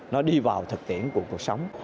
nó đi vào thực tiễn của cuộc sống